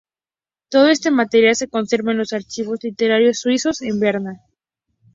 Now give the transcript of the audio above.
Todo este material se conserva en los Archivos Literarios Suizos, en Berna.